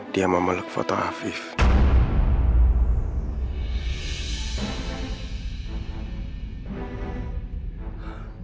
rupanya waktu dia tidur disini